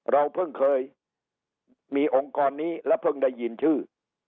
เราเพิ่งเคยมีองค์กรนี้และเพิ่งได้ยินชื่อ